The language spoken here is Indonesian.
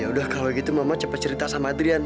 ya udah kalau gitu mama cepat cerita sama adrian